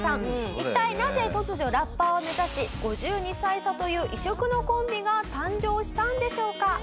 一体なぜ突如ラッパーを目指し５２歳差という異色のコンビが誕生したんでしょうか？